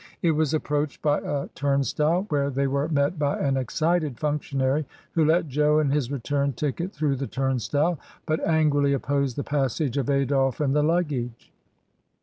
It was approached by a turnstile, where they were met by an excited func tionary who let Jo and his return ticket through the turnstile, but angrily opposed the passage of Adolphe and the luggage.